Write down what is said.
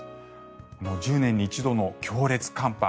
１０年に一度の強烈寒波。